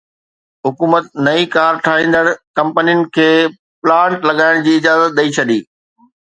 حڪومت نئين ڪار ٺاهيندڙ ڪمپنين کي پلانٽ لڳائڻ جي اجازت ڏئي ڇڏي